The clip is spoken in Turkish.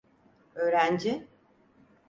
Öğrenci…